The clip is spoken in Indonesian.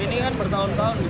ini kan bertahun tahun